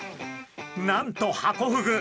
なんとハコフグ！